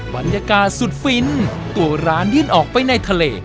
บรรยากาศสุดฟินตัวร้านยื่นออกไปในทะเล